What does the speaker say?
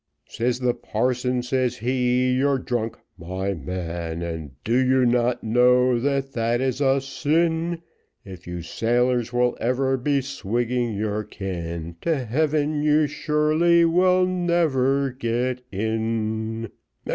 Says the parson, says he, you're drunk, my man, And do you not know that that is a sin? If you sailors will ever be swigging your can, To heaven you surely will never get in.